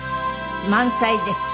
満載です。